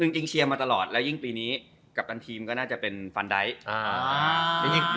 จริงเชียร์มาตลอดแล้วยิ่งปีนี้กัปตันทีมก็น่าจะเป็นฟันไดท์